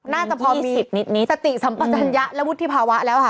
น่าจะพอมีสติสัมปัญญะและวุฒิภาวะแล้วค่ะ